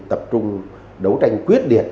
tập trung đấu tranh quyết liệt